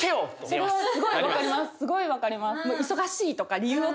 それはすごい分かります